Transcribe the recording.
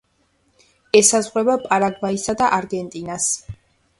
ესაზღვრება პარაგვაისა და არგენტინას.